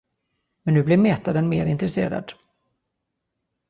Men nu blev metaren mera intresserad.